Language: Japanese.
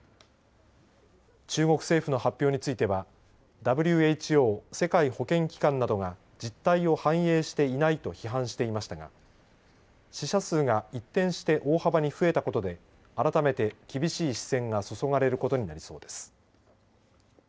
中国政府の発表についてはＷＨＯ＝世界保健機関などが実態を反映していないと批判していましたが死者数が一転して大幅に増えたことで改めて厳しい視線が注がれることになりそうです。